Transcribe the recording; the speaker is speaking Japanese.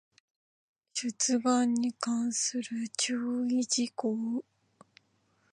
出願に関する注意事項